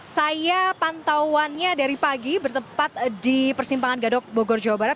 saya pantauannya dari pagi bertempat di persimpangan gadok bogor jawa barat